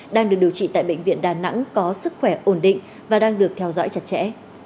đang được điều trị tại bệnh viện đà nẵng có sức khỏe ổn định và đang được theo dõi chặt chẽ